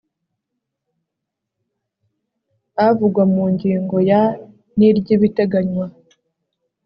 avugwa mu ngingo ya n iry ibiteganywa